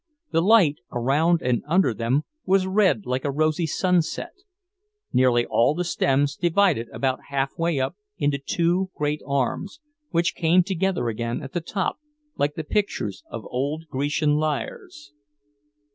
The light, around and under them, was red like a rosy sunset. Nearly all the stems divided about half way up into two great arms, which came together again at the top, like the pictures of old Grecian lyres.